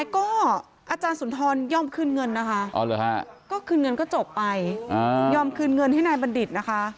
ก็คืนเงินก็จบไปยอมคืนเงินให้นายบัณฑิตนะคะ